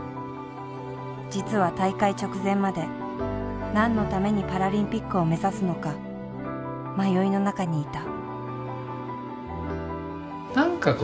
実は大会直前まで何のためにパラリンピックを目指すのか迷いの中にいた。